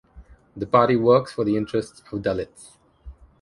The party works for the interests of dalits.